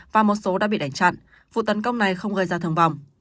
và một số đã bị đánh chặn vụ tấn công này không gây ra thường vọng